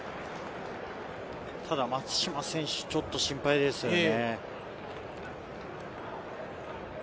松島選手、ちょっと心配ですよね。